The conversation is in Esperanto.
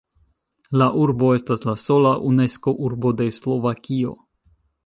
La urbo estas la sola „Unesco-urbo“ de Slovakio.